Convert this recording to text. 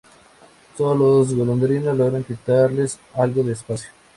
Sólo las golondrinas logran quitarles algo de espacio.